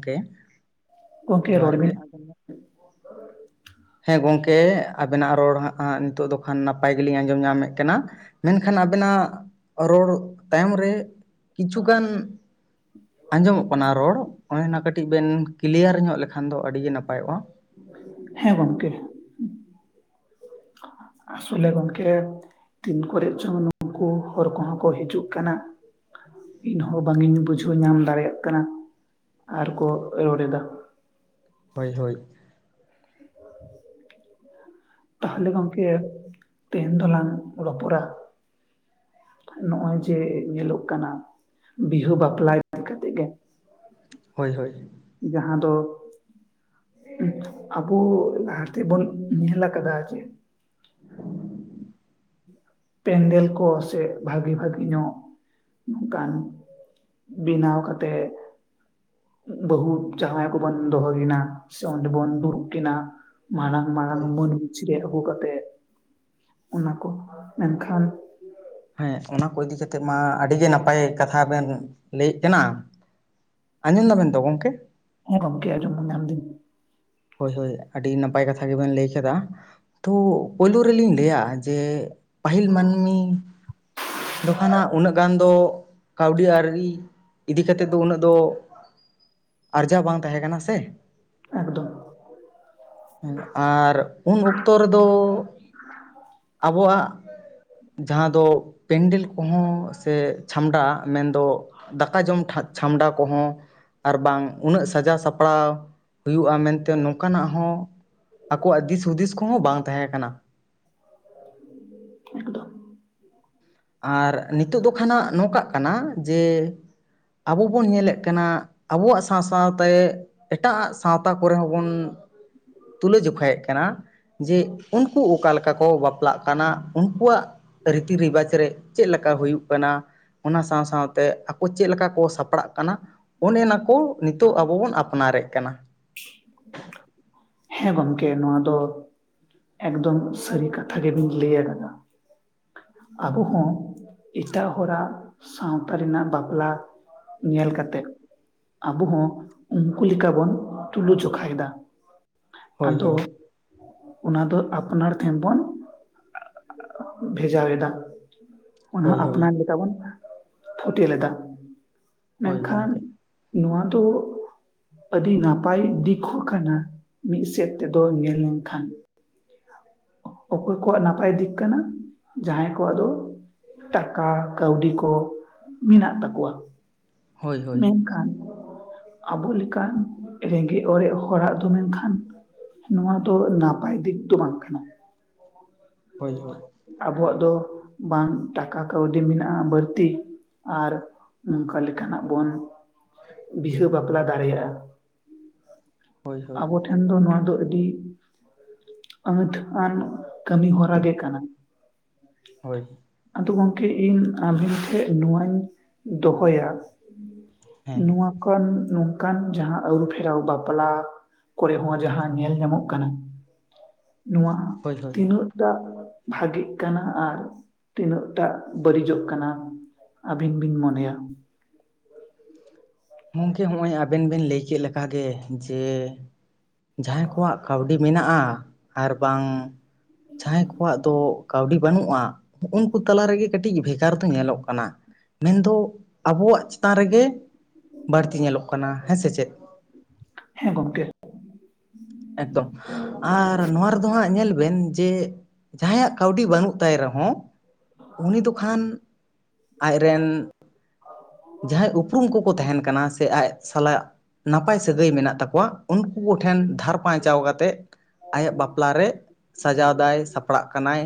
ᱜᱚᱝᱠᱮ ᱜᱚᱢᱠᱮ ᱨᱚᱲ ᱡᱚᱦᱟᱨ ᱵᱮᱱ ᱜᱮ ᱟᱡᱚᱢ ᱧᱟᱢᱫᱟ? ᱦᱮᱸ ᱜᱚᱢᱠᱮ ᱟᱵᱮᱱᱟᱜ ᱨᱚᱲ ᱦᱟᱸᱜ ᱦᱟᱸᱜ ᱱᱤᱛᱚᱜ ᱫᱚ ᱠᱷᱟᱱ ᱱᱟᱯᱟᱭ ᱜᱮᱞᱤᱧ ᱟᱸᱡᱚᱢ ᱧᱟᱢᱮᱫ ᱠᱟᱱᱟ᱾ ᱢᱮᱱᱠᱷᱟᱱ ᱟᱵᱮᱱᱟᱜ ᱨᱚᱲ ᱛᱟᱭᱚᱢ ᱨᱮ ᱠᱤᱪᱷᱩᱜᱟᱱ ᱟᱸᱡᱚᱢᱚᱜ ᱠᱟᱱᱟ ᱨᱚᱲ, ᱚᱱᱮ ᱚᱱᱟ ᱠᱟᱹᱴᱤᱡ ᱵᱮᱱ ᱠᱞᱤᱭᱟᱨ ᱧᱚᱜ ᱞᱮᱠᱷᱟᱱ ᱫᱚ ᱟᱹᱰᱤ ᱜᱮ ᱱᱟᱯᱟᱭᱚᱜ-ᱟ᱾ ᱦᱮᱸ ᱜᱚᱢᱠᱮ, ᱟᱥᱚᱞᱮ ᱜᱚᱢᱠᱮ ᱛᱤᱱ ᱠᱚᱨᱮ ᱪᱚᱝ ᱱᱩᱠᱩ ᱦᱚᱲ ᱠᱚᱦᱚᱸ ᱠᱚ ᱦᱤᱡᱩᱜ ᱠᱟᱱᱟ᱾ ᱤᱧᱦᱚᱸ ᱵᱟᱝᱤᱧ ᱵᱩᱡᱷᱟᱹᱣ ᱧᱟᱢ ᱫᱟᱲᱮᱭᱟᱜ ᱠᱟᱱᱟ, ᱟᱨᱠᱚ ᱨᱚᱲᱮᱫᱟ᱾ ᱦᱳᱭ ᱦᱳᱭ᱾ ᱛᱟᱦᱚᱞᱮ ᱜᱚᱝᱠᱮ ᱛᱮᱦᱮᱧ ᱫᱚᱞᱟᱝ ᱨᱚᱯᱚᱲᱟ ᱱᱚᱜ-ᱚᱭ ᱡᱮ ᱧᱮᱞᱚᱜ ᱠᱟᱱᱟ ᱵᱤᱦᱟᱹ ᱵᱟᱯᱞᱟ ᱠᱟᱛᱮᱜ ᱜᱮ ᱦᱳᱭ ᱦᱳᱭ᱾ ᱡᱟᱦᱟᱸ ᱫᱚ ᱟᱵᱚ ᱞᱟᱦᱟᱛᱮ ᱵᱚᱰᱱ ᱧᱮᱞ ᱟᱠᱟᱫᱟ ᱡᱮ ᱯᱮᱱᱰᱮᱞ ᱠᱚ ᱥᱮ ᱵᱷᱟᱜᱤ ᱵᱷᱟᱹᱜᱤ ᱧᱚᱜ ᱱᱚᱝᱠᱟᱱ ᱵᱮᱱᱟᱣ ᱠᱟᱛᱮᱫ ᱵᱟᱹᱦᱩ ᱡᱟᱣᱸᱟᱭ ᱠᱚᱵᱚᱱ ᱫᱚᱦᱚᱠᱤᱱᱟ ᱥᱮ ᱚᱸᱰᱮ ᱵᱚᱱ ᱫᱩᱲᱩᱵ ᱠᱱᱟ, ᱢᱟᱲᱟᱝ ᱢᱟᱨᱟᱝ ᱦᱳᱭ ᱢᱟᱹᱱ ᱪᱤᱨᱟᱹᱭ ᱟᱹᱜᱩ ᱠᱟᱛᱮᱫ ᱚᱱᱟ ᱠᱚ ᱢᱮᱱᱠᱷᱟᱱ ᱦᱮᱸ ᱚᱱᱟ ᱠᱚ ᱤᱫᱤ ᱠᱟᱛᱮᱜ ᱢᱟ ᱟᱹᱰᱤ ᱜᱮ ᱱᱟᱯᱟᱭ ᱠᱟᱛᱷᱟ ᱵᱮᱱ ᱞᱟᱹᱭᱮᱫ ᱠᱟᱱᱟ᱾ ᱟᱸᱡᱚᱢ ᱫᱟᱵᱮᱱ ᱛᱚ ᱜᱚᱢᱠᱮ? ᱦᱮᱸ ᱜᱚᱢᱠᱮ ᱟᱡᱚᱢ ᱧᱟᱢ ᱫᱟᱹᱤᱧ᱾ ᱦᱳᱭ ᱦᱳᱭ, ᱟᱹᱰᱤ ᱱᱟᱯᱟᱭ ᱠᱟᱛᱷᱟ ᱜᱮᱵᱮᱱ ᱞᱟᱹᱭ ᱠᱮᱫᱟ᱾ ᱛᱳ ᱯᱳᱭᱞᱳ ᱨᱮᱞᱤᱧ ᱞᱟᱹᱭᱟ ᱡᱮ ᱯᱟᱹᱦᱤᱞ ᱢᱟᱹᱱᱢᱤ ᱫᱚ ᱠᱷᱟᱱ ᱦᱟᱸᱜ ᱩᱱᱟᱹᱜ ᱜᱟᱱ ᱫᱚ ᱠᱟᱹᱣᱰᱤ ᱟᱹᱨᱤ ᱤᱫᱤ ᱠᱟᱛᱮᱫ ᱫᱚ ᱩᱱᱟᱹᱜ ᱫᱚ ᱟᱨᱡᱟᱣ ᱵᱟᱝ ᱛᱟᱦᱮᱸ ᱠᱟᱱᱟ ᱥᱮ᱾ ᱮᱠᱫᱚᱢ᱾ ᱟᱨ ᱩᱱ ᱚᱠᱛᱚ ᱨᱮᱫᱚ ᱟᱵᱚᱣᱟᱜ ᱡᱟᱦᱟᱸ ᱫᱚ ᱯᱮᱱᱰᱮᱞ ᱠᱚᱦᱚᱸ ᱥᱮ ᱪᱷᱟᱢᱰᱟ ᱢᱮᱱᱫᱚ᱾ ᱫᱟᱠᱟ ᱡᱚᱢ ᱪᱷᱟᱢᱰᱟ ᱠᱚᱦᱚᱸ ᱟᱨ ᱵᱟᱝ ᱩᱱᱟᱹᱜ ᱥᱟᱡᱟᱣ ᱥᱟᱯᱲᱟᱣ ᱦᱩᱭᱩᱜᱼᱟ ᱢᱮᱼᱼ ᱱᱚᱝᱠᱟᱱᱟᱜ ᱦᱚᱸ ᱟᱠᱚᱣᱟᱜ ᱫᱤᱥ ᱦᱩᱫᱤᱥ ᱠᱚᱦᱚᱸ ᱵᱟᱝ ᱛᱟᱦᱮᱸ ᱠᱟᱱᱟ᱾ ᱮᱠᱫᱚᱢ ᱟᱨ ᱱᱤᱛᱚᱜ ᱫᱚ ᱠᱷᱟᱱᱟᱜ ᱱᱚᱝᱠᱟᱜ ᱠᱟᱱᱟ ᱡᱮ ᱟᱵᱚ ᱵᱚᱱ ᱧᱮᱞᱮᱫ ᱠᱟᱱᱟ᱾ ᱟᱵᱚᱣᱟᱜ ᱥᱟᱶ ᱥᱟᱶᱛᱮ ᱮᱴᱟᱜᱼᱟᱜ ᱥᱟᱶᱛᱟ ᱠᱚᱨᱮ ᱦᱚᱸᱵᱚᱱ? ᱛᱩᱞᱟᱹᱣ ᱡᱚᱠᱷᱟ ᱭᱮᱜ ᱠᱟᱱᱟ᱾ ᱡᱮ ᱩᱱᱠᱩ ᱚᱠᱟ ᱞᱮᱠᱟ ᱠᱚ ᱵᱟᱯᱞᱟᱜ ᱠᱟᱱᱟ ᱩᱱᱠᱩᱣᱟᱜ ᱨᱤᱛᱤ ᱨᱮᱣᱟᱡᱽ ᱨᱮ ᱪᱮᱫ ᱞᱮᱠᱟ ᱦᱩᱭᱩᱜ ᱠᱟᱱᱟ ᱚᱱᱟ ᱥᱟᱶ ᱥᱟᱶᱛᱮ ᱟᱠᱚ ᱪᱮᱫ ᱞᱮᱠᱟ ᱠᱚ ᱥᱟᱯᱲᱟᱜ ᱠᱟᱱᱟ᱾ ᱚᱱᱮᱱᱟ ᱠᱚ ᱱᱤᱛᱚᱜ ᱟᱵᱚ ᱵᱚᱱ ᱟᱯᱱᱟᱨᱮᱫ ᱠᱟᱱᱟ᱾ ᱦᱮᱸ ᱜᱚᱝᱠᱮ ᱱᱚᱣᱟ ᱫᱚ ᱮᱠᱫᱚᱢ ᱥᱟᱹᱨᱤ ᱠᱟᱛᱷᱟ ᱜᱮᱵᱤᱱ ᱞᱟᱹᱭ ᱟᱠᱟᱫᱟ᱾ ᱟᱵᱚ ᱦᱚᱸ ᱮᱴᱟᱜ ᱦᱚᱲᱟᱜ ᱥᱟᱣᱛᱟ ᱨᱮᱱᱟᱜ ᱵᱟᱯᱞᱟ ᱧᱮᱞ ᱠᱟᱛᱮᱜ ᱟᱵᱚ ᱦᱚᱸ ᱩᱱᱠᱩ ᱞᱮᱠᱟ ᱵᱚᱱ? ᱛᱩᱞᱩ ᱡᱚᱠᱷᱟᱭ ᱫᱟ ᱦᱳᱭ ᱟᱫᱚ ᱦᱳᱭ ᱚᱱᱟ ᱫᱚ ᱟᱯᱱᱟᱨ ᱴᱷᱮᱱ ᱵᱚᱱ ᱵᱷᱮᱡᱟᱣᱟᱫᱟ ᱚᱱᱟᱦᱚ ᱦᱳᱭ ᱦᱳᱭ ᱟᱯᱱᱟᱨ ᱞᱮᱠᱟ ᱵᱚᱱ ᱯᱷᱴᱮᱞ ᱞᱮᱫᱟ ᱦᱳᱭ ᱢᱮᱱᱠᱷᱟᱱ᱾ ᱜᱚᱢᱠᱮ ᱱᱚᱣᱟ ᱫᱚ ᱟᱹᱰᱤ ᱱᱟᱯᱟᱭ ᱵᱟᱭ ᱫᱤᱠᱩ ᱠᱟᱱᱟ ᱢᱤᱫ ᱥᱮᱫ ᱛᱮᱫᱚ ᱧᱮᱞ ᱞᱮᱱᱠᱷᱟᱱ ᱚᱠᱚᱭ ᱠᱚᱣᱟᱜ ᱱᱟᱯᱟᱭ ᱫᱤᱠ ᱠᱟᱱᱟ ᱡᱟᱦᱟᱸᱭ ᱠᱚᱣᱟᱜ ᱫᱚ ᱴᱟᱠᱟ ᱠᱟᱹᱣᱰᱤ ᱠᱚ ᱢᱮᱱᱟᱜ ᱛᱟᱠᱣᱟ ᱦᱳᱭ ᱦᱳᱭ ᱢᱮᱱᱠᱷᱟᱱ ᱟᱵᱚ ᱞᱮᱠᱟᱱ ᱨᱮᱸᱜᱮᱡ ᱚᱨᱮᱡ ᱦᱚᱲᱟᱜ ᱫᱚ ᱢᱮᱱᱠᱷᱟᱱ ᱱᱚᱣᱟ ᱫᱚ ᱱᱟᱯᱟᱭ ᱫᱤᱠ ᱫᱚ ᱵᱟᱝ ᱠᱟᱱᱟ᱾ ᱦᱳᱭ ᱦᱳᱭ ᱟᱵᱚᱣᱟᱜ ᱫᱚ ᱵᱟᱝ ᱴᱟᱠᱟ ᱠᱟᱹᱣᱰᱤ ᱢᱮᱱᱟᱜᱼᱟ ᱵᱟᱹᱲᱛᱤ ᱟᱨ ᱚᱱᱠᱟ ᱞᱮᱠᱟᱱᱟᱜ ᱵᱚᱱ ᱵᱤᱦᱟᱹ ᱵᱟᱯᱞᱟ ᱫᱟᱲᱮᱭᱟᱜᱼᱟ ᱦᱳᱭ ᱦᱳᱭ ᱦᱳᱭ ᱟᱵᱚ ᱴᱷᱮᱱ ᱮ ᱫᱚ ᱱᱚᱣᱟ ᱫᱚ ᱟᱹᱰᱤ ᱟᱹᱛ ᱟᱱ ᱠᱟᱹᱢᱤ ᱦᱚᱨᱟ ᱜᱮ ᱠᱟᱱᱟ᱾ ᱦᱳᱭ ᱟᱫᱚ ᱜᱚᱢᱠᱮ ᱤᱧ ᱟᱵᱤᱱ ᱴᱷᱮᱱ ᱱᱚᱣᱟᱧ ᱫᱚᱦᱚᱭᱟ? ᱦᱮᱸ ᱱᱚᱣᱟᱠ ᱱᱚᱝᱠᱟᱱ ᱡᱟᱦᱟᱸ ᱟᱹᱨᱩᱯᱷᱮᱨᱟᱣ ᱵᱟᱯᱞᱟ᱾ ᱠᱚᱨᱮ ᱦᱚᱸ ᱡᱟᱦᱟᱸ ᱧᱮᱞ ᱧᱟᱢᱚᱜ ᱠᱟᱱᱟ ᱱᱚᱣᱟ ᱦᱳᱭ ᱦᱳᱭ ᱛᱤᱱᱟᱹᱜ? ᱫᱟᱜ ᱵᱷᱟᱜᱤᱜ ᱠᱟᱱᱟ ᱟᱨ ᱛᱤᱱᱟᱹᱜ ᱴᱟᱜ ᱵᱟᱹᱲᱤᱡᱚᱜ ᱠᱟᱱᱟ᱾ ᱟᱹᱵᱤᱱ ᱵᱤᱱ ᱢᱚᱱᱮᱭᱟ ᱜᱚᱢᱠᱮ ᱦᱚᱸᱜᱼᱚᱭ ᱟᱵᱮᱱ ᱵᱮᱱ ᱞᱟᱹᱭ ᱠᱮᱫᱠᱟᱜᱮ ᱡᱮ ᱡᱟᱦᱟᱸᱭ ᱠᱚᱣᱟᱜ ᱠᱟᱹᱣᱰᱤ ᱢᱮᱱᱟᱜᱼᱟ ᱟᱨ ᱵᱟᱝ ᱡᱟᱦᱟᱸᱭ ᱠᱚᱣᱟᱜ ᱫᱚ ᱠᱟᱹᱣᱰᱤ ᱵᱟᱹᱱᱩᱜᱼᱟ᱾ ᱩᱱᱠᱩ ᱛᱟᱞᱟ ᱨᱮᱜᱮ ᱠᱟᱹᱴᱤᱡ ᱵᱷᱮᱜᱟᱨ ᱫᱚ ᱧᱮᱞᱚᱜ ᱠᱟᱱᱟ ᱢᱮᱱᱫᱚ ᱟᱵᱚᱣᱟᱜ ᱪᱮᱛᱟᱱ ᱨᱮᱜᱮ ᱵᱟᱹᱲᱛᱤ ᱧᱮᱞᱚᱜ ᱠᱟᱱᱟ ᱦᱮᱸ ᱥᱮ ᱪᱮᱫ ᱦᱮᱸ ᱜᱚᱝᱠᱮ ᱮᱠᱫᱚᱢ ᱟᱨ ᱱᱚᱣᱟ ᱨᱮᱫᱚ ᱦᱟᱸᱜ ᱧᱮᱞ ᱵᱮᱱ ᱡᱮ ᱡᱟᱦᱟᱸᱭᱟᱜ ᱠᱟᱹᱣᱰᱤ ᱵᱟᱹᱱᱩᱜ ᱛᱟᱭ ᱨᱮᱦᱚᱸ ᱩᱱᱤ ᱫᱚ ᱠᱷᱟᱱ ᱟᱡ ᱨᱮᱱ ᱡᱟᱦᱟᱸᱭ ᱩᱯᱨᱩᱢ ᱠᱚᱠᱚ ᱛᱟᱦᱮᱱ ᱠᱟᱱᱟ ᱥᱮ ᱟᱡ ᱥᱟᱞᱟᱜ ᱱᱟᱯᱟᱭ ᱥᱟᱹᱜᱟᱹᱭ ᱢᱮᱱᱟᱜ ᱛᱟᱠᱚᱣᱟ ᱩᱱᱠᱩ ᱠᱚᱴᱷᱮᱱ ᱫᱷᱟᱨ ᱯᱟᱸᱪᱟᱣ ᱠᱟᱛᱮᱫ ᱟᱭᱟᱜ ᱵᱟᱯᱞᱟᱨᱮ ᱥᱟᱡᱟᱣᱫᱟᱭ, ᱥᱟᱯᱲᱟᱜ ᱠᱟᱱᱟᱭ᱾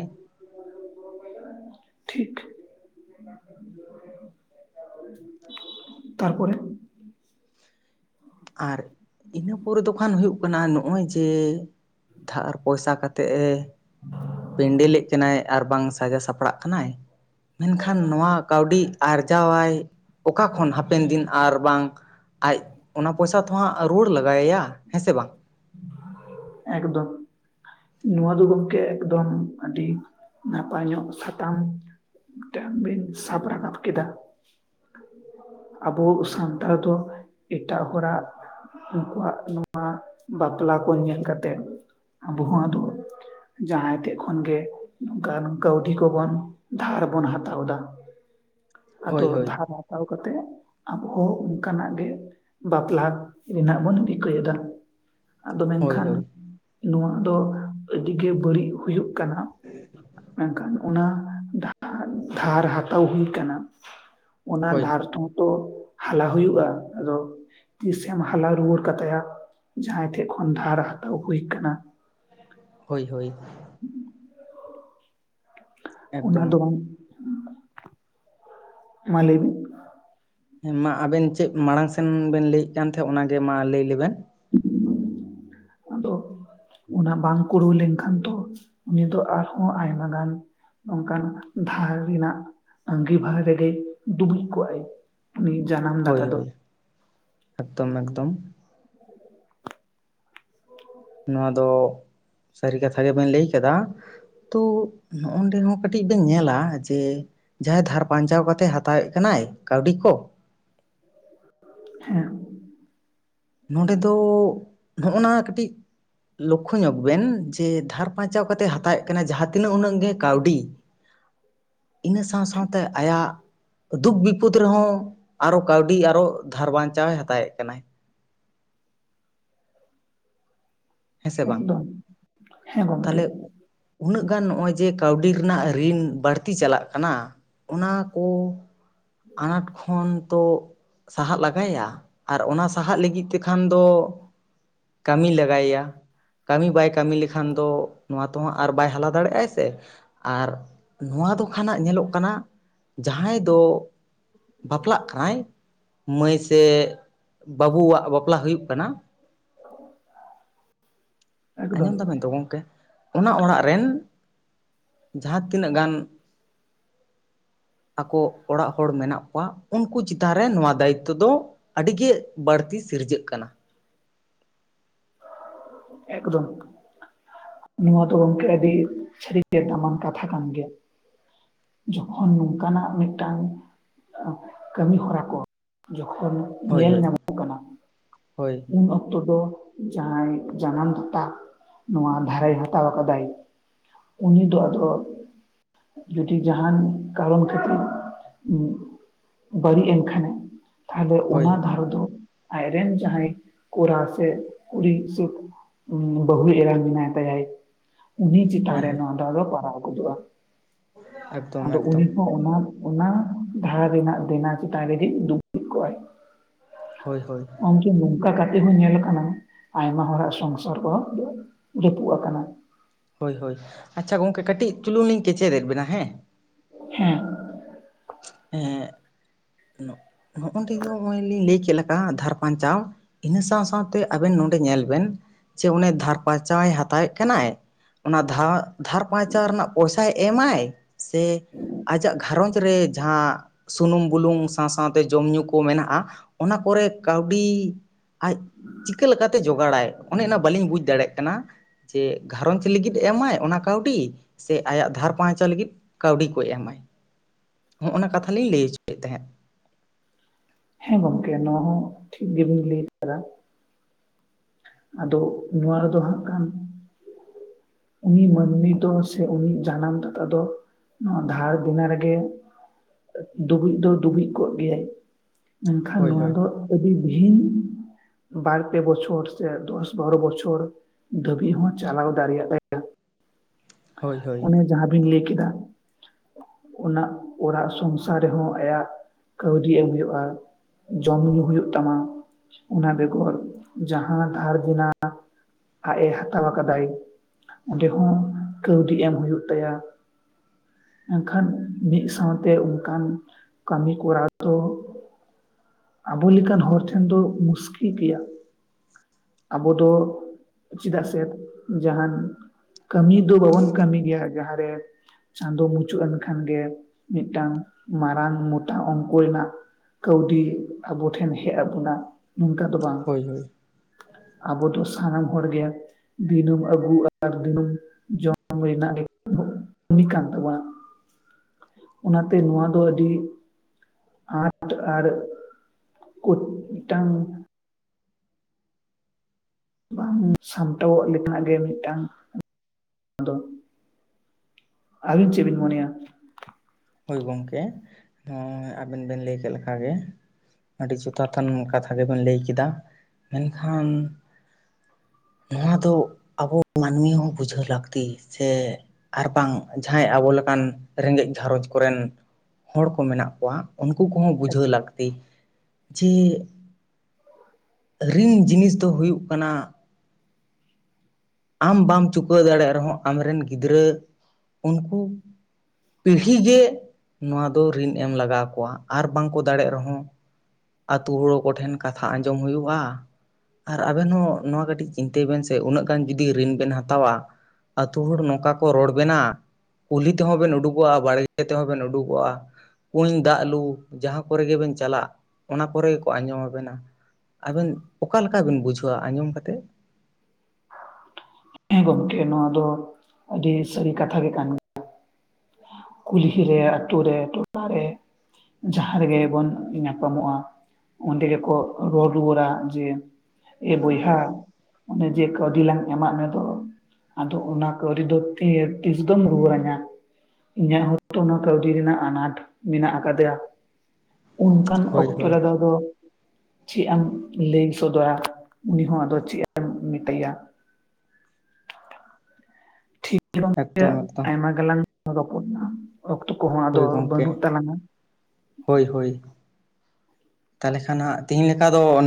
ᱴᱷᱤᱠ᱾ ᱛᱟᱯᱚᱨᱮ ᱟᱨ ᱤᱱᱟᱹ ᱯᱚᱨᱮ ᱫᱚᱠᱷᱟᱱ ᱦᱩᱭᱩᱜ ᱠᱟᱱᱟ ᱱᱚᱜ-ᱚᱭ ᱡᱮ ᱫᱷᱟᱨ ᱯᱚᱭᱥᱟ ᱠᱟᱛᱮᱜ-ᱮ ᱯᱮᱱᱰᱮᱞᱮᱜ ᱠᱟᱱᱟᱭ ᱟᱨ ᱵᱟᱝ ᱥᱟᱡᱟ ᱥᱟᱯᱲᱟᱜ ᱠᱟᱱᱟᱭ᱾ ᱢᱮᱱᱠᱷᱟᱱ ᱱᱚᱣᱟ ᱠᱟᱹᱣᱰᱤ ᱟᱨᱡᱟᱣᱟᱭ ᱚᱠᱟ ᱠᱷᱚᱱ ᱦᱟᱯᱮᱱ ᱫᱤᱱ ᱟᱨ ᱵᱟᱝ? ᱟᱡ ᱚᱱᱟ ᱯᱚᱭᱥᱟ ᱛᱚ ᱦᱟᱸᱜ ᱨᱩᱣᱟᱹᱲ ᱞᱟᱜᱟᱭᱮᱭᱟ ᱦᱮᱸ ᱥᱮ ᱵᱟᱝ? ᱮᱠᱫᱚᱢ᱾ ᱱᱚᱣᱟ ᱫᱚ ᱜᱚᱝᱠᱮ ᱮᱠᱫᱚᱢ ᱟᱹᱰᱤ ᱱᱟᱯᱟᱭ ᱧᱚᱜ ᱥᱟᱛᱟᱢ᱾ ᱢᱤᱫᱴᱟᱝ ᱵᱤᱱ ᱥᱟᱵ ᱨᱟᱠᱟᱵ ᱠᱮᱫᱟ᱾ ᱟᱵᱚ ᱥᱟᱱᱛᱟᱲ ᱫᱚ ᱮᱴᱟᱜ ᱦᱚᱲᱟᱜ ᱩᱱᱠᱩᱣᱟᱜ ᱵᱟᱯᱞᱟ ᱠᱚ ᱧᱮᱞ ᱠᱟᱛᱮᱫ ᱟᱵᱚ ᱦᱚᱸ ᱟᱫᱚ ᱡᱟᱦᱟᱸᱭ ᱴᱷᱮᱡ ᱠᱷᱚᱱᱜᱮ ᱱᱚᱝᱠᱟᱱ ᱠᱟᱹᱣᱰᱤ ᱠᱚᱵᱚᱱ ᱫᱷᱟᱨ ᱵᱚᱱ ᱦᱟᱛᱟᱣᱫᱟ᱾ ᱟᱫᱚ ᱦᱳᱭ ᱦᱳᱭ ᱫᱷᱟᱨ ᱦᱟᱛᱟᱣ ᱠᱟᱛᱮᱜ ᱟᱵᱚ ᱦᱚᱸ ᱚᱱᱠᱟᱱᱟᱜ ᱜᱮ ᱵᱟᱯᱞᱟ ᱨᱮᱱᱟᱜ ᱵᱚᱱ ᱨᱤᱠᱟᱹᱭᱫᱟ᱾ ᱟᱫᱚ ᱦᱳᱭ ᱢᱮᱱᱠᱷᱟᱱ ᱦᱳᱭ ᱱᱚᱣᱟ ᱫᱚ ᱟᱹᱰᱤ ᱜᱮ ᱵᱟᱹᱲᱤᱡ ᱦᱩᱭᱩᱜ ᱠᱟᱱᱟ, ᱢᱮᱱᱠᱷᱟᱱ ᱚᱱᱟ ᱫᱷᱟᱨ ᱫᱷᱟᱨ ᱦᱟᱛᱟᱣ ᱦᱩᱭ ᱠᱟᱱᱟ᱾ ᱚᱱᱟ ᱦᱳᱭ ᱫᱷᱟᱨ ᱴᱷᱚᱝᱠᱚ ᱦᱟᱞᱟ ᱦᱩᱭᱩᱜ-ᱟ᱾ ᱟᱫᱚ ᱛᱤᱥᱮᱢ ᱦᱟᱞᱟ ᱨᱩᱣᱟᱹᱲ ᱠᱟᱛᱟᱭᱟ? ᱡᱟᱦᱟᱸᱭ ᱴᱷᱮᱡ ᱠᱷᱚᱱ ᱫᱷᱟᱨ ᱦᱟᱛᱟᱣ ᱦᱩᱭ ᱠᱟᱱᱟ᱾ ᱦᱳᱭ ᱦᱳᱭ᱾ ᱚᱱᱟ ᱮᱠᱫᱚᱢ ᱫᱚ ᱢᱟ ᱞᱟᱹᱭᱵᱤᱱ᱾ ᱦᱮᱸ ᱢᱟ ᱟᱵᱮᱱ ᱪᱮᱫ ᱢᱟᱲᱟᱝ ᱥᱮᱱ ᱵᱮᱱ ᱞᱟᱹᱭᱮᱫ ᱠᱟᱱ ᱛᱟᱦᱮᱸᱫ, ᱚᱱᱟᱜᱮ ᱢᱟ ᱞᱟᱹᱭ ᱞᱮᱵᱮᱱ᱾ [unintelligible] ᱟᱫᱚ ᱚᱱᱟ ᱵᱟᱝ ᱠᱩᱲᱟᱹᱣ ᱞᱮᱱᱠᱷᱟᱱ ᱛᱚ ᱩᱱᱤ ᱫᱚ ᱟᱨᱦᱚᱸ ᱟᱭᱢᱟ ᱜᱟᱱ ᱱᱚᱝᱠᱟᱱ ᱫᱷᱟᱨ ᱨᱮᱱᱟᱜ ᱟᱸᱜᱤᱵᱷᱟᱷᱟᱨ ᱨᱮᱜᱮᱭ ᱰᱩᱵᱩᱡ ᱠᱚᱜ-ᱟᱭ᱾ ᱩᱱᱤ ᱡᱟᱱᱟᱢ ᱦᱳᱭ ᱦᱳᱭ, ᱮᱠᱫᱚᱢ ᱮᱠᱫᱚᱢ᱾ ᱱᱚᱣᱟ ᱫᱚ ᱥᱟᱹᱨᱤ ᱠᱟᱛᱷᱟ ᱜᱮ ᱵᱮᱱ ᱞᱟᱹᱭ ᱠᱟᱫᱟ᱾ ᱛᱚ ᱱᱚᱜ-ᱚᱱ ᱰᱮ ᱦᱚᱸ ᱠᱟᱹᱴᱤᱡ ᱵᱮᱱ ᱧᱮᱞᱟ ᱡᱮ ᱡᱟᱦᱟᱸᱭ ᱫᱷᱟᱨ ᱵᱟᱧᱪᱟᱣ ᱠᱟᱛᱮᱫ ᱦᱟᱛᱟᱣᱮᱫ ᱠᱟᱱᱟᱭ ᱠᱟᱹᱣᱰᱤ ᱠᱚ ᱦᱮᱸ᱾ ᱱᱚᱸᱰᱮ ᱫᱚ ᱱᱚᱜ-ᱚ ᱱᱟ ᱠᱟᱹᱴᱤᱡ ᱞᱚᱠᱷᱚ ᱧᱚᱜᱽ ᱵᱮᱱ ᱡᱮ ᱫᱷᱟᱨ ᱯᱟᱧᱪᱟᱣ ᱠᱟᱛᱮᱜ ᱦᱟᱛᱟᱣᱮᱫ ᱠᱟᱱᱟᱭ, ᱡᱟᱦᱟᱸ ᱛᱤᱱᱟᱹᱜ ᱩᱱᱟᱹᱜ ᱜᱮ ᱠᱟᱹᱣᱰᱤ᱾ [inaudible] ᱤᱱᱟᱹ ᱥᱟᱶ ᱴᱷᱤᱠ ᱥᱟᱶᱛᱮ ᱟᱭᱟᱜ ᱫᱩᱠ ᱵᱤᱯᱚᱫ ᱨᱮᱦᱚᱸ ᱟᱨᱚ ᱠᱟᱹᱣᱰᱤ ᱟᱨᱚ ᱫᱷᱟᱨ ᱵᱟᱧᱪᱟᱣᱮ ᱦᱟᱛᱟᱣᱮᱜ ᱠᱟᱱᱟᱭ᱾ ᱦᱮᱸ ᱥᱮ ᱵᱟᱝ? ᱮᱠᱫᱚᱢ ᱦᱮᱸ ᱜᱚᱢᱠᱮ ᱛᱟᱦᱞᱮ ᱩᱱᱟᱹᱜ ᱜᱟᱱ ᱱᱚᱜ-ᱚᱭ ᱡᱮ ᱠᱟᱹᱣᱰᱤ ᱨᱮᱱᱟᱜ ᱨᱤᱱ ᱵᱟᱹᱲᱛᱤ ᱪᱟᱞᱟᱜ ᱠᱟᱱᱟ᱾ ᱚᱱᱟ ᱠᱚ ᱟᱱᱟᱴ ᱠᱷᱚᱱ ᱛᱚ ᱥᱟᱦᱟᱜ ᱞᱟᱜᱟᱭᱮᱭᱟ ᱟᱨ ᱚᱱᱟ ᱥᱟᱦᱟᱜ ᱞᱟᱹᱜᱤᱫ ᱛᱮᱠᱷᱟᱱ ᱫᱚ ᱠᱟᱹᱢᱤ ᱞᱮᱜᱟᱭᱮᱭᱟ᱾ ᱠᱟᱹᱢᱤ ᱵᱟᱭ ᱠᱟᱹᱢᱤ ᱞᱮᱠᱷᱟᱱ ᱫᱚ, ᱱᱚᱣᱟ ᱛᱚ ᱦᱟᱸᱜ ᱟᱨ ᱵᱟᱭ ᱦᱟᱞᱟ ᱫᱟᱲᱮᱭᱟᱜᱟᱜ-ᱟ ᱥᱮ᱾ ᱟᱨ ᱱᱚᱣᱟ ᱫᱚ ᱠᱷᱟᱱᱟᱜ ᱧᱮᱞᱚᱜ ᱠᱟᱱᱟ ᱡᱟᱦᱟᱸᱭ ᱫᱚ, ᱵᱟᱯᱞᱟᱜ ᱠᱟᱱᱟᱭ ᱢᱟᱹᱭ ᱥᱮ ᱵᱟᱹᱵᱩᱣᱟᱜ ᱵᱟᱯᱞᱟ ᱦᱩᱭᱩᱜ ᱠᱟᱱᱟ ᱮᱠᱫᱚᱢ ᱟᱸᱡᱚᱢ ᱛᱟᱵᱮᱱ ᱛᱚ ᱜᱚᱝᱠᱮ? ᱚᱱᱟ ᱚᱲᱟᱜ ᱨᱮᱱ ᱡᱟᱦᱟᱸ ᱛᱤᱱᱟᱹᱜ ᱜᱟᱱ [inaudible] ᱟᱠᱚ ᱚᱲᱟᱜ ᱦᱚᱲ ᱢᱮᱱᱟᱜ ᱠᱚᱣᱟ ᱩᱱᱠᱩ ᱪᱮᱛᱟᱱ ᱨᱮ ᱱᱚᱣᱟ ᱫᱟᱭᱤᱜᱛᱚ ᱫᱚ ᱟᱹᱰᱤᱜᱮ ᱵᱟᱹᱲᱛᱤ ᱥᱤᱨᱡᱟᱹᱜ ᱠᱟᱱᱟ᱾ ᱮᱠᱫᱚᱢ, ᱱᱚᱣᱟ ᱫᱚ ᱜᱚᱝᱠᱮ ᱟᱹᱰᱤ [unintelligible] ᱫᱟᱢᱟᱱ ᱠᱟᱛᱷᱟ ᱠᱟᱱ ᱜᱮᱭᱟ᱾ ᱡᱚᱠᱷᱚᱱ ᱱᱚᱝᱠᱟᱱᱟᱜ ᱢᱤᱜᱴᱟᱝ ᱟᱸ ᱠᱟᱹᱢᱤ ᱦᱚᱨᱟ ᱠᱚ ᱡᱚᱠᱷᱚᱱ ᱦᱳᱭ ᱧᱮᱞ ᱦᱳᱭ ᱧᱟᱢᱚᱜ ᱠᱟᱱᱟ ᱦᱳᱭ ᱩᱱ ᱚᱠᱛᱚ ᱫᱚ ᱡᱟᱦᱟᱸᱭ ᱡᱟᱦᱟᱱ ᱴᱟᱜ ᱱᱚᱣᱟ ᱫᱷᱟᱨᱟᱭ ᱦᱟᱛᱟᱣ ᱠᱟᱫᱟᱭ ᱩᱱᱤ ᱫᱚ ᱟᱫᱚ ᱡᱩᱫᱤ ᱡᱟᱦᱟᱱ ᱠᱟᱨᱚᱱ ᱠᱷᱟᱹᱛᱤᱨ ᱩᱸ ᱵᱟᱹᱲᱤᱜ ᱮᱱ ᱠᱷᱟᱱᱮ ᱛᱟᱦᱚᱞᱮ ᱦᱳᱭ ᱚᱱᱟ ᱫᱷᱟᱨᱚ ᱫᱚ ᱟᱡᱨᱮᱱ ᱡᱟᱦᱟᱸᱭ ᱠᱚᱲᱟ ᱥᱮ ᱠᱩᱲᱤ ᱥᱩᱛ ᱩᱸ ᱵᱟᱹᱦᱩ ᱮᱨᱟᱝ ᱢᱮᱱᱟᱭ ᱛᱟᱭᱟᱭ ᱩᱱᱤ ᱪᱮᱛᱟᱱ ᱦᱳᱭ ᱨᱮ ᱦᱳᱭ ᱱᱚᱣᱟ, ᱟᱫᱚ ᱯᱟᱲᱦᱟᱣ ᱜᱚᱫᱚᱜᱼᱟ ᱮᱠᱫᱚᱢ ᱟᱫᱚ ᱮᱠᱫᱚᱢ ᱩᱱᱤ ᱦᱚᱸ ᱚᱱᱟ ᱚᱱᱟ ᱫᱷᱟᱨ ᱨᱮᱱᱟᱜ ᱫᱮᱱᱟ ᱪᱮᱛᱟᱱ ᱨᱮᱜᱮ ᱫᱩᱵᱲᱩᱵ ᱠᱚᱜᱼᱟᱭ᱾ ᱦᱳᱭ ᱦᱳᱭ, ᱜᱚᱝᱠᱮ ᱱᱚᱝᱠᱟ ᱠᱟᱛᱮᱜ ᱦᱚᱸ ᱧᱮᱞ ᱠᱟᱱᱟ ᱟᱭᱢᱟ ᱦᱚᱲᱟᱜ ᱥᱚᱝᱥᱟᱨ ᱠᱚ ᱡᱟᱹᱯᱩᱜ ᱟᱠᱟᱱᱟ᱾ ᱦᱳᱭ ᱦᱳᱭ, ᱟᱪᱪᱷᱟ ᱜᱚᱝᱠᱮ ᱠᱟᱹᱴᱤᱜ ᱪᱩᱞᱩᱝ ᱞᱤᱧ ᱠᱮᱪᱮᱫᱮᱜ ᱵᱤᱱᱟ ᱦᱮᱸ ᱦᱮᱸ ᱮᱻ ᱱᱚᱜ ᱱᱚᱜᱼᱚᱸᱰᱮ [unintelligible] ᱞᱤᱧ ᱞᱟᱹᱭ ᱠᱮᱜ ᱞᱮᱠᱟ ᱫᱷᱟᱨ ᱯᱟᱧᱪᱟᱣ ᱤᱱᱟᱹ ᱥᱟᱶᱼᱥᱟᱶᱛᱮ ᱟᱵᱮᱱ ᱱᱚᱸᱰᱮ ᱧᱮᱞ ᱵᱮᱱ ᱡᱮ ᱚᱱᱮ ᱫᱷᱟᱨ ᱯᱟᱨᱪᱟᱣᱮ ᱦᱟᱛᱟᱣᱮᱜ ᱠᱟᱱᱟᱭ ᱚᱱᱟ ᱫᱷᱟᱜ ᱫᱷᱟᱨ ᱯᱟᱨᱪᱟᱣ ᱨᱮᱱᱟᱜ ᱯᱚᱭᱥᱟᱭ ᱮᱢᱟᱭ ᱥᱮ, ᱟᱡᱟᱜ ᱜᱷᱟᱨᱚᱸᱡᱽ ᱨᱮ ᱡᱟᱦᱟᱸ ᱥᱩᱱᱩᱢ ᱵᱩᱞᱩᱝ ᱥᱟᱶᱼᱥᱟᱶᱛᱮ ᱡᱚᱢᱧᱩ ᱠᱚ ᱢᱮᱱᱟᱜᱼᱟ ᱚᱱᱟ ᱠᱚᱨᱮ ᱠᱟᱹᱣᱰᱤᱻ ᱟᱡ ᱪᱤᱠᱟᱹ ᱞᱮᱠᱟᱛᱮ ᱡᱚᱜᱟᱲᱟᱭ ᱚᱱᱮ ᱚᱱᱟ ᱵᱟᱹᱞᱤᱧ ᱵᱩᱡᱽ ᱫᱟᱲᱮᱜ ᱠᱟᱱᱟ᱾ ᱡᱮ ᱜᱷᱟᱨᱚᱸᱡᱽ ᱞᱟᱹᱜᱤᱫ ᱮᱢᱟᱭ ᱚᱱᱟ ᱠᱟᱹᱣᱰᱤ ᱥᱮ ᱟᱭᱟᱜ ᱫᱷᱟᱨ ᱯᱟᱧᱪᱟᱣ ᱞᱟᱹᱜᱤᱫ ᱠᱟᱹᱣᱰᱤ ᱠᱚᱭ ᱮᱢᱟᱭ᱾ ᱦᱚᱸᱜᱼᱚᱱᱟ ᱠᱟᱛᱷᱟ ᱞᱤᱧ ᱞᱟᱹᱭ ᱚᱪᱚᱭᱮᱫ ᱛᱟᱦᱮᱸᱜ᱾ ᱦᱮᱸ ᱜᱚᱝᱠᱮ ᱱᱚᱣᱟ ᱦᱚᱸ ᱴᱷᱤᱠ ᱜᱮᱵᱤᱱ ᱞᱟᱹᱭ ᱠᱟᱫᱟ᱾ ᱟᱫᱚ ᱱᱚᱣᱟ ᱨᱮᱫᱚ ᱦᱟᱸᱜ ᱠᱷᱟᱱ ᱩᱱᱤ ᱢᱟᱹᱱᱢᱤ ᱫᱚ ᱥᱮ ᱩᱱᱤ ᱡᱟᱱᱟᱢ ᱛᱟᱨᱟ ᱫᱚ ᱱᱚᱣᱟ ᱫᱷᱟᱨ ᱪᱮᱛᱟᱱ ᱨᱮᱜᱮ ᱰᱩᱵᱩᱡ ᱫᱚ ᱰᱩᱵᱩᱡ ᱠᱚᱜ ᱜᱮᱭᱟᱭ᱾ ᱢᱮᱱᱠᱷᱟᱱ ᱦᱳᱭ ᱱᱚᱣᱟ ᱦᱳᱭ ᱫᱚ ᱚᱹᱵᱤ ᱵᱷᱤᱱ ᱵᱟᱨ ᱯᱮ ᱵᱚᱪᱷᱚᱨ ᱥᱮ ᱫᱚᱥ ᱵᱟᱨᱚ ᱵᱚᱪᱷᱚᱨ ᱫᱷᱟᱹᱵᱤᱜ ᱦᱚᱸ ᱪᱟᱞᱟᱣ ᱫᱟᱲᱮᱭᱟᱜ ᱛᱟᱭᱟ᱾ ᱦᱳᱭ ᱦᱳᱭ, ᱡᱟᱦᱟᱸ ᱵᱤᱱ ᱞᱟᱹᱭ ᱠᱮᱫᱟ ᱚᱱᱟ ᱚᱨᱟᱜ ᱥᱚᱝᱥᱟᱨ ᱨᱮᱦᱚᱸ ᱟᱭᱟᱜ ᱠᱟᱹᱣᱰᱤ ᱮᱢ ᱦᱩᱭᱩᱜᱼᱟ᱾ ᱡᱚᱢ ᱧᱩ ᱦᱩᱭᱩᱜ ᱛᱟᱢᱟ ᱚᱱᱟ ᱵᱮᱜᱚᱨ ᱡᱟᱦᱟᱸ ᱫᱷᱟᱨ ᱫᱮᱱᱟ, ᱟᱡ ᱮ ᱦᱟᱛᱟᱣ ᱟᱠᱟᱫᱟᱭ ᱚᱸᱰᱮ ᱦᱚᱸ ᱠᱟᱹᱣᱰᱤ ᱮᱢ ᱦᱩᱭᱩᱜ ᱛᱟᱭᱟ᱾ ᱮᱱᱠᱷᱟᱱ ᱢᱤᱜ ᱥᱟᱶᱛᱮ ᱚᱱᱠᱟᱱ ᱠᱟᱹᱢᱤ ᱠᱚᱨᱟᱣ ᱫᱚ ᱟᱵᱚ ᱞᱮᱠᱟᱱ ᱦᱚᱲ ᱴᱷᱮᱱ ᱫᱚ ᱢᱩᱥᱠᱤᱞ ᱜᱮᱭᱟ᱾ ᱟᱵᱚ ᱫᱚ ᱪᱮᱫᱟᱜ ᱥᱮ ᱡᱟᱦᱟᱱ ᱠᱟᱹᱢᱤ ᱫᱚ ᱵᱟᱵᱚᱱ ᱠᱟᱹᱢᱤ ᱜᱮᱭᱟ ᱡᱟᱦᱟᱸᱨᱮ ᱪᱟᱸᱫᱳ ᱢᱩᱪᱟᱹᱫ ᱮᱱ ᱠᱷᱟᱱ ᱜᱮ ᱢᱤᱫᱴᱟᱝ ᱢᱟᱨᱟᱝ ᱢᱚᱴᱟ ᱚᱝᱠᱚ ᱨᱮᱱᱟᱜ ᱠᱟᱹᱣᱰᱤ ᱟᱵᱚ ᱴᱷᱮᱱ ᱦᱮᱡ ᱟᱵᱚᱱᱟ ᱱᱚᱝᱠᱟ ᱫᱚ ᱵᱟᱝ᱾ ᱦᱳᱭ ᱦᱳᱭ᱾ ᱟᱵᱚ ᱫᱚ ᱥᱟᱱᱟᱢ ᱦᱚᱲ ᱜᱮ ᱫᱤᱱᱟᱹᱢ ᱟᱹᱜᱩ ᱟᱨ ᱫᱤᱱᱟᱹᱢ ᱡᱚᱢ ᱨᱮᱱᱟᱜ ᱜᱮ [inaudible] ᱠᱟᱹᱢᱤ ᱠᱟᱱ ᱛᱟᱵᱚᱱᱟ᱾ ᱚᱱᱟᱛᱮ ᱱᱚᱣᱟ ᱫᱚ ᱟᱹᱰᱤ ᱟᱨᱴ ᱟᱨ ᱠᱩᱴᱴ ᱢᱤᱫ-ᱴᱟᱝ ᱵᱟᱝ ᱥᱟᱢᱴᱟᱣᱚᱜ ᱞᱮᱠᱟᱱᱟᱜ ᱜᱮ ᱢᱤᱫᱽᱴᱟᱝ [inaudible] ᱫᱚ ᱟᱹᱵᱤᱱ ᱪᱮᱫ ᱵᱤᱱ ᱢᱚᱱᱮᱭᱟ? ᱦᱳᱭ ᱜᱚᱝᱠᱮ ᱦᱮᱸ ᱟᱵᱮᱱ ᱵᱮᱱ ᱞᱟᱹᱭ ᱠᱮᱫ ᱞᱮᱠᱟ ᱜᱮ᱾ ᱟᱹᱰᱤ ᱡᱚᱛᱷᱟᱛᱷᱟᱱ ᱠᱟᱛᱷᱟ ᱜᱮᱵᱮᱱ ᱞᱟᱹᱭ ᱠᱮᱫᱟ᱾ ᱢᱮᱱᱠᱷᱟᱱ ᱱᱚᱣᱟ ᱫᱚ ᱟᱵᱚ ᱢᱟᱹᱱᱢᱤ ᱦᱚᱸ ᱵᱩᱡᱷᱟᱹᱣ ᱞᱟᱹᱠᱛᱤ ᱥᱮ-ᱼ ᱟᱨᱵᱟᱝ ᱡᱟᱦᱟᱸᱭ ᱟᱵᱚ ᱞᱮᱠᱟᱱ ᱨᱮᱸᱜᱮᱡ ᱜᱷᱟᱨᱚᱸᱡᱽ ᱠᱚᱨᱮᱱ ᱦᱚᱲ ᱠᱚ ᱢᱮᱱᱟᱜ ᱠᱚᱣᱟ ᱩᱱᱠᱩ ᱠᱚᱦᱚᱸ ᱵᱩᱡᱷᱟᱹᱣ ᱞᱟᱹᱠᱛᱤ᱾ ᱡᱮ ᱨᱤᱱ ᱡᱤᱱᱤᱥ ᱫᱚ ᱦᱩᱭᱩᱜ ᱠᱟᱱᱟ-ᱼ ᱟᱢ ᱵᱟᱢ ᱪᱩᱠᱟᱹᱣ ᱫᱟᱲᱮᱜ ᱨᱮᱦᱚᱸ ᱟᱢᱨᱮᱱ ᱜᱤᱫᱽᱨᱟᱹ ᱩᱱᱠᱩ ᱯᱤᱲᱦᱤ ᱜᱮ ᱱᱚᱣᱟ ᱫᱚ ᱨᱤᱱ ᱮᱢ ᱞᱟᱜᱟᱣ ᱠᱚᱣᱟ ᱟᱨ ᱵᱟᱝ ᱠᱚ ᱫᱟᱲᱮᱜ ᱨᱮᱦᱚᱸ ᱟᱛᱩ ᱦᱚᱲ ᱠᱚᱴᱷᱮᱱ ᱠᱟᱛᱷᱟ ᱟᱸᱡᱚᱢ ᱦᱩᱭᱩᱜᱼᱟ᱾ ᱟᱨ ᱟᱵᱮᱱ ᱦᱚᱸ ᱱᱚᱣᱟ ᱠᱟᱹᱴᱤᱡ ᱪᱤᱱᱛᱟᱹᱭ ᱵᱮᱱ ᱥᱮ ᱩᱱᱟᱹᱜ ᱜᱟᱱ ᱡᱚᱫᱤ ᱨᱤᱱ ᱵᱮᱱ ᱦᱟᱛᱟᱣᱟ᱾ ᱟᱹᱛᱩ ᱦᱚᱲ ᱱᱚᱝᱠᱟ ᱠᱚ ᱨᱚᱲ ᱵᱮᱱᱟ᱾ ᱠᱩᱞᱦᱤ ᱛᱮᱦᱚᱸ ᱵᱮᱱ ᱩᱰᱩᱠᱚᱜᱼᱟ, ᱵᱟᱲᱜᱮ ᱛᱮᱦᱚᱸ ᱵᱮᱱ ᱩᱰᱩᱠᱚᱜᱼᱟ᱾ ᱠᱩᱧ ᱫᱟᱜ ᱞᱩ ᱡᱟᱦᱟᱸ ᱠᱚᱨᱮ ᱜᱮᱵᱮᱱ ᱪᱟᱞᱟᱜ᱾ ᱚᱱᱟ ᱠᱚᱨ ᱜᱮᱠᱚ ᱟᱸᱡᱚᱢᱟᱵᱮᱱᱟ, ᱟᱵᱮᱱ ᱚᱠᱟ ᱞᱮᱠᱟ ᱵᱮᱱ ᱵᱩᱡᱷᱟᱹᱣᱟ ᱟᱸᱡᱚᱢ ᱠᱟᱛᱮᱫ? ᱦᱮᱸ ᱜᱚᱢᱠᱮ ᱱᱚᱣᱟ ᱫᱚ ᱟᱹᱰᱤ ᱥᱟᱹᱨᱤ ᱠᱟᱛᱷᱟ ᱜᱮ ᱠᱟᱱ ᱠᱩᱞᱦᱤ ᱨᱮ, ᱟᱛᱩ ᱨᱮ, ᱴᱚᱴᱟ ᱨᱮ ᱡᱟᱦᱟ ᱨᱮᱜᱮ ᱵᱚᱱ ᱧᱟᱯᱟᱢᱚᱜᱼᱟ ᱚᱰᱮ ᱜᱮᱠᱚ ᱨᱚᱨ ᱨᱩᱭᱟᱹᱲᱟ ᱡᱮ ᱮ ᱵᱚᱭᱦᱟ ᱚᱱᱮ ᱡᱮ ᱠᱟᱹᱣᱰᱤ ᱞᱟᱝ ᱮᱢᱟᱜ ᱢᱮᱫᱚ ᱟᱫᱚ ᱚᱱᱟ ᱠᱟᱹᱣᱰᱤ ᱫᱚ ᱛᱤᱨᱮ ᱛᱤᱥ ᱫᱚᱢ ᱨᱩᱣᱟᱹᱲᱟᱹᱧᱟ? ᱤᱧᱟᱹᱜ ᱦᱚᱛᱚ ᱚᱱᱟ ᱠᱟᱹᱣᱰᱤ ᱨᱮᱱᱟᱜ ᱟᱱᱟᱴ ᱢᱮᱱᱟᱜ ᱟᱠᱟᱫᱮᱭᱟᱺ ᱚᱱᱠᱟᱱ ᱦᱳᱭ ᱚᱠᱛᱚ ᱦᱳᱭ ᱨᱮᱫᱚ ᱟᱫᱚ ᱪᱮᱫ ᱮᱢ ᱞᱟᱹᱭ ᱥᱚᱫᱚᱨᱟ, ᱩᱱᱤ ᱦᱚᱸ ᱟᱫᱚ ᱪᱮᱫ ᱮᱢ ᱢᱮᱛᱟᱭᱟ᱾ ᱮᱠᱫᱚᱢ [unintelligible] ᱮᱠᱫᱚᱢ ᱟᱭᱢᱟ ᱜᱟᱞᱟᱝ ᱨᱚᱯᱚᱲᱱᱟ, ᱚᱠᱛᱚ ᱠᱚᱦᱚᱸ ᱟᱫᱚ ᱦᱳᱭ ᱜᱚᱢᱠᱮ ᱵᱟᱱᱩᱜ ᱛᱟᱞᱟᱝᱟ᱾ ᱦᱳᱭ ᱦᱳᱭᱺ ᱛᱟᱦᱚᱞᱮ ᱠᱷᱟᱱ ᱦᱟᱸᱜ ᱛᱤᱦᱤᱧ ᱞᱮᱠᱟ ᱫᱚ ᱱᱟᱝ